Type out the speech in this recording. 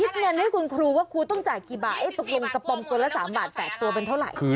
เงินให้คุณครูว่าครูต้องจ่ายกี่บาทตกลงกระป๋อมตัวละ๓บาท๘ตัวเป็นเท่าไหร่